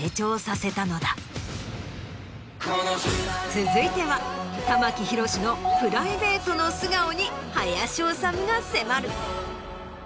続いては玉木宏のプライベートの素顔に林修が迫る。